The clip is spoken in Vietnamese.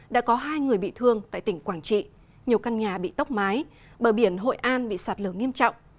đã có hai người bị thương tại tỉnh quảng trị nhiều căn nhà bị tốc mái bờ biển hội an bị sạt lở nghiêm trọng